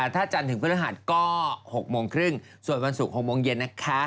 ถ้าจันทร์ถึงพฤหัสก็๖โมงครึ่งส่วนวันศุกร์๖โมงเย็นนะคะ